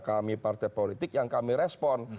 kami partai politik yang kami respon